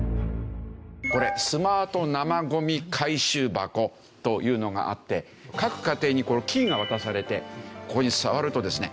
これスマート生ごみ回収箱というのがあって各家庭にキーが渡されてここに触るとですね